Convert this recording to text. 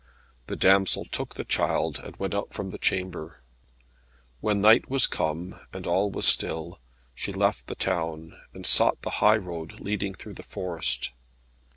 The damsel took the child, and went out from the chamber. When night was come, and all was still, she left the town, and sought the high road leading through the forest.